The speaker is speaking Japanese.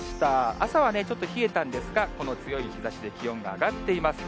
朝はね、ちょっと冷えたんですが、この強い日ざしで気温が上がっています。